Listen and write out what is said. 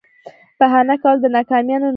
بهانه کول د ناکامیانو ناروغي ده.